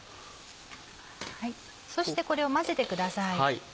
そしてこれを混ぜてください。